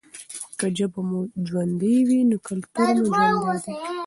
که ژبه مو ژوندۍ وي نو کلتور مو ژوندی دی.